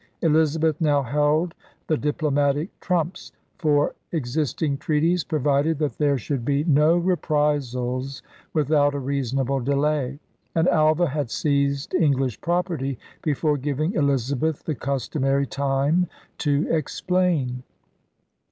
Elizabeth now held the diplomatic trumps; for existing treaties provided that there should be no reprisals without a reasonable delay; and Alva had seized English property before giving Elizabeth the customary time to explain.